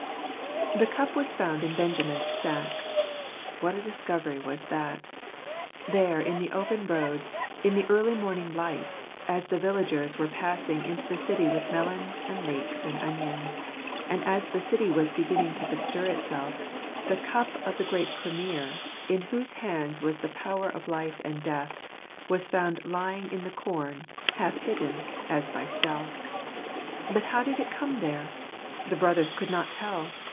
HE cup was found in Benjamin's sack." What a discovery was that ! There in the open road, in the early morning light, as the villagers were passing into the city with melons and leeks and onions, and as the city was beginning to bestir itself, the cup of the great Premier, in whose hands was the power of life and death, was found lying in the com, half hidden, as by stealth. But how did it come there? The brothers could not tell.